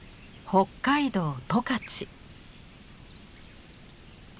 北海道十勝。